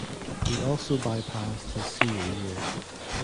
He also bypassed his senior year.